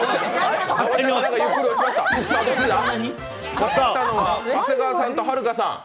勝ったのは長谷川さんとはるかさん。